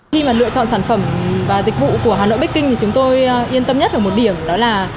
khi mà lựa chọn sản phẩm và dịch vụ của hanoi baking thì chúng tôi yên tâm nhất ở một điểm đó là